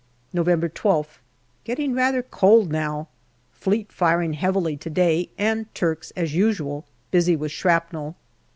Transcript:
November 12th. Getting rather cold now. Fleet firing heavily to day, and Turks, as usual, busy with shrapnel.